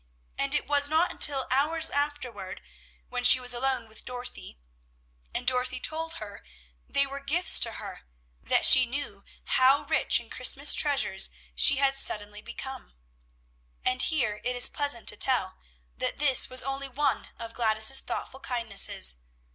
And it was not until hours afterward, when she was alone with Dorothy, and Dorothy told her they were gifts to her, that she knew how rich in Christmas treasures she had suddenly become. And here it is pleasant to tell, that this was only one of Gladys's thoughtful kindnesses.